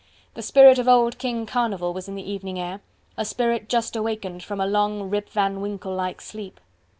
The spirit of Old King Carnival was in the evening air a spirit just awakened from a long Rip van Winkle like sleep.